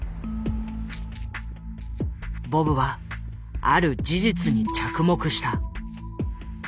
ボブはある事実に着目した。